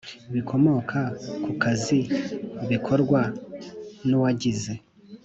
bikomoka ku kazi bikorwa n uwagize